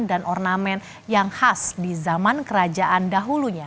dan ornamen yang khas di zaman kerajaan dahulunya